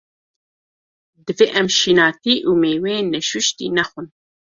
Divê em şînatî û mêweyên neşuştî, nexwin.